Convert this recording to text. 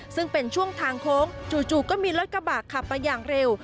ซึ่งเป็นช่วงทางโค้งจู่ก็มีรถกระบะขับมาอย่างเร็ว